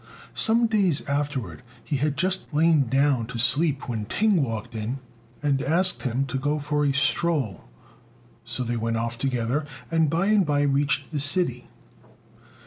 Some days afterwards, he had just lain down to sleep when Ting walked in and asked him to go for a stroll; so they went off together, and by and by reached the city.